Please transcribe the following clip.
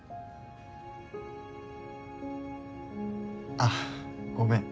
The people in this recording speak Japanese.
あっごめん。